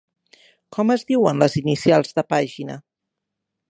Com es diuen les inicials de pàgina?